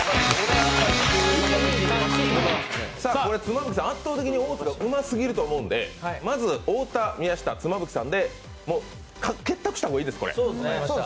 妻夫木さん、圧倒的に大津がうますぎると思うんでまず太田、宮下、妻夫木さんで結託した方がいいです。